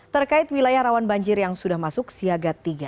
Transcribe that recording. terkait wilayah rawan banjir yang sudah masuk siaga tiga